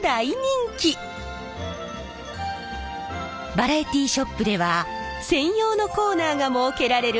バラエティーショップでは専用のコーナーが設けられるほど。